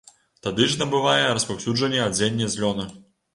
Тады ж набывае распаўсюджанне адзенне з лёну.